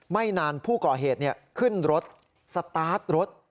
ไม่นานผู้ก่อเหตุขึ้นรถสตาร์ทรถ